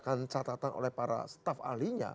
baca catatan oleh para staf alinya